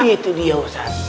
itu dia ustadz